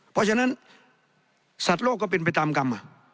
เพราะฉะนั้นสัตว์โลกก็เป็นไปตามกรรม